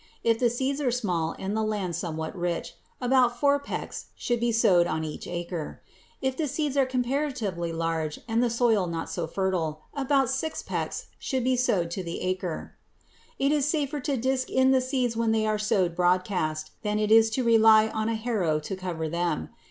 If the seeds are small and the land somewhat rich, about four pecks should be sowed on each acre. If the seeds are comparatively large and the soil not so fertile, about six pecks should be sowed to the acre. It is safer to disk in the seeds when they are sowed broadcast than it is to rely on a harrow to cover them.